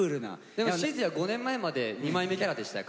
でも閑也５年前まで二枚目キャラでしたよ